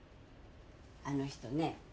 あの人ね